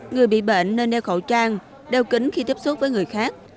người bị bệnh nên đeo khẩu trang đeo kính khi tiếp xúc với người khác